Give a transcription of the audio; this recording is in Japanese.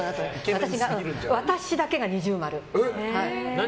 私が、私だけが二重丸。